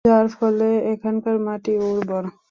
যার ফলে এখানকার মাটি উর্বর।